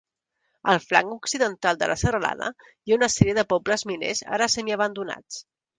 Al flanc occidental de la serralada hi ha una sèrie de pobles miners ara semiabandonats.